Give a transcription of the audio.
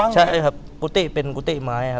ใช่ครับกุฏิเป็นกุฏิไม้ครับ